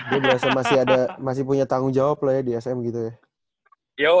dia merasa masih ada masih punya tanggung jawab loh ya di sm gitu ya